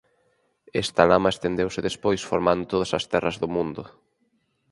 Esta lama estendeuse despois formando todas as terras do mundo.